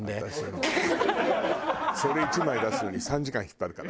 それ１枚出すのに３時間引っ張るから。